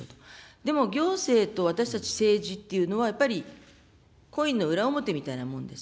でも、行政と私たち政治というのは、やっぱりコインの裏表みたいなものです。